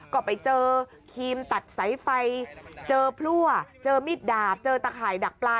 ก็ไปเจอครีมตัดสายไฟเจอพลั่วเจอมิดดาบเจอตะข่ายดักปลา